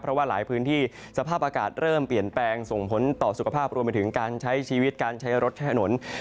เพราะว่าหลายพื้นที่สภาพอากาศเริ่มเปลี่ยนแปลงส่งผลต่อสุขภาพรวมไปถึงการใช้ชีวิตการใช้รถใช้ถนน